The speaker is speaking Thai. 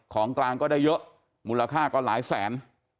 ของกลางก็ได้เยอะมูลค่าก็หลายแสน